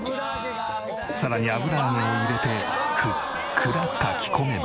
さらに油揚げを入れてふっくら炊き込めば。